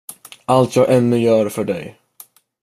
Allt jag ännu gör för dig.